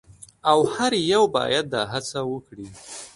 او هر یو باید دا هڅه وکړي.